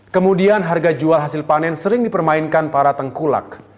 kemudian harga jual hasil panen sering dipermainkan para tengkulak